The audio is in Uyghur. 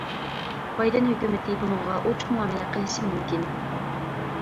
بايدىن ھۆكۈمىتى بۇنىڭغا ئوچۇق مۇئامىلە قىلىشى مۇمكىن.